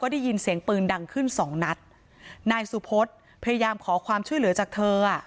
ได้ยินเสียงปืนดังขึ้นสองนัดนายสุพธพยายามขอความช่วยเหลือจากเธออ่ะ